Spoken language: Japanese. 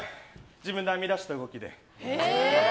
自分で編み出した動きで。